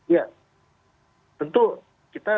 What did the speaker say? ya tentu kita